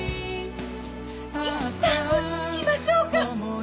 いったん落ち着きましょうか。